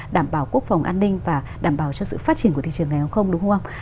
đảm bảo quốc phòng an ninh và đảm bảo cho sự phát triển của thị trường ngày hôm không đúng không